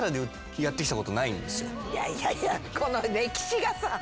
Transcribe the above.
いやいやこの歴史がさ。